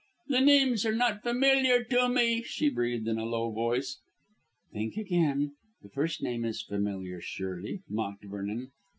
"The names are not familiar to me," she breathed in a low voice. "Think again. The first name is familiar, surely?" mocked Vernon.